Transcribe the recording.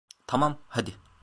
Tamam, hadi.